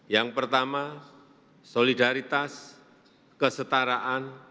yang pertama solidaritas kesetaraan